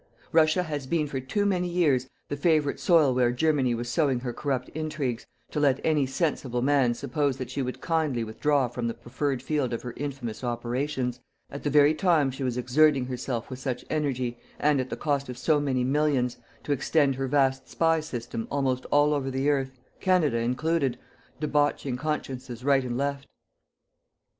Russia has been for too many years the favourite soil where Germany was sowing her corrupt intrigues, to let any sensible man suppose that she would kindly withdraw from the preferred field of her infamous operations, at the very time she was exerting herself with such energy, and at the cost of so many millions, to extend her vast spy system almost all over the earth, Canada included debauching consciences right and left.